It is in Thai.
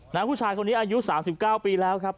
ผู้ชายคนนี้อายุ๓๙ปีแล้วครับ